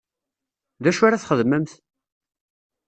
D acu ara txedmemt?